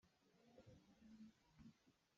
Rili ah sangphawlawng in an kal.